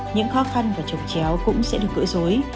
những khó khăn và trồng chéo cũng sẽ được cỡ rối